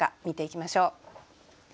見ていきましょう。